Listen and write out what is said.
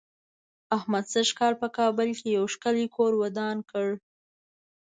احمد سږ کال په کابل کې یو ښکلی کور ودان کړ.